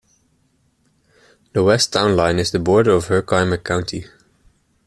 The west town line is the border of Herkimer County.